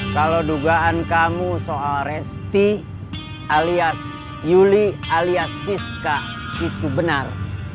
kalau dugaan kamu soal resti alias yuli alias siska itu benar